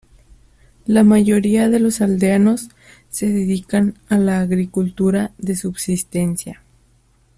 La mayoría de los aldeanos se dedican a la agricultura de subsistencia.